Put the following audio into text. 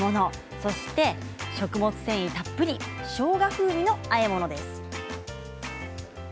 そして食物繊維たっぷりしょうが風味のあえ物です。